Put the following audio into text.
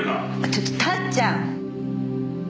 ちょっと達ちゃん。